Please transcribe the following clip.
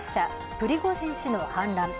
プリゴジン氏の反乱。